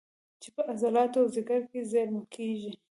چې په عضلاتو او ځیګر کې زېرمه کېږي